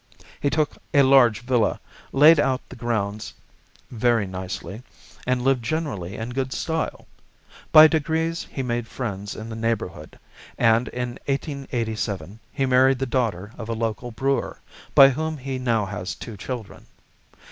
He took a large villa, laid out the grounds very nicely, and lived generally in good style. By degrees he made friends in the neighbourhood, and in 1887 he married the daughter of a local brewer, by whom he now has two children.